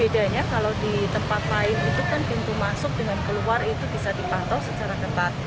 bedanya kalau di tempat lain itu kan pintu masuk dengan keluar itu bisa dipantau secara ketat